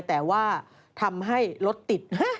แต่ว่าทำให้รถติด